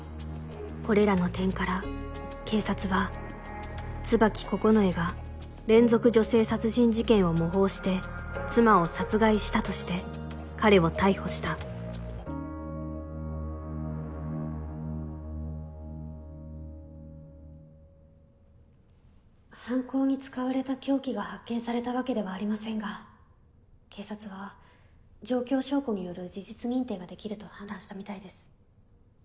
・これらの点から警察は「椿九重が連続女性殺人事件を模倣して妻を殺害した」として彼を逮捕した犯行に使われた凶器が発見されたわけではありませんが警察は「情況証拠による事実認定ができる」と判断したみたいです。